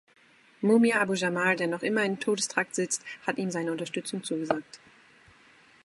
Mumia Abu-Jamal, der noch immer im Todestrakt sitzt, hat ihm seine Unterstützung zugesagt.